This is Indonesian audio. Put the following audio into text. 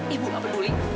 ibu gak peduli